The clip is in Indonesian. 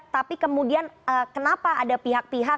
tapi kemudian kenapa ada pihak pihak